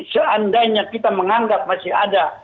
seandainya kita menganggap masih ada